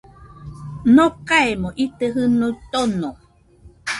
Nokaemo ite jɨnuo tono